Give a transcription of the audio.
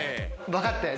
分かった。